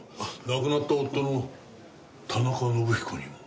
亡くなった夫の田中伸彦にも。